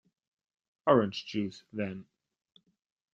Orange juice, then.